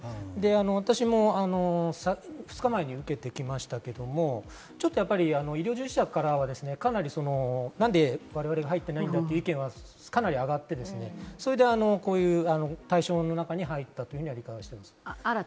私も２日前に受けてきましたけれども、ちょっと医療従事者からはかなり何で我々が入っていないんだという意見がかなり上がって、それでこういう対象の中に入ったというふうに理解しています。